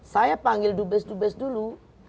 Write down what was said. saya panggil dubes dubes dulu